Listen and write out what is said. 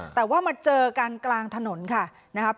แต่ว่ามาเจอกันกลางถนนค่ะนะครับ